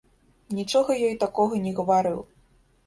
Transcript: Нічога ёй такога не гаварыў.